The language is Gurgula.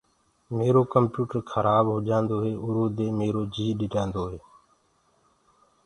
ميرو ڪمپيوٽر کرآب هوجآندو هي اُرو دي ميرو جي ڏريآندوئي۔